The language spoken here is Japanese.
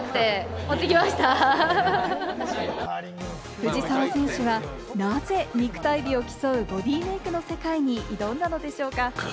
藤澤選手は、なぜ肉体美を競うボディメイクの世界に挑んだのでしょうか？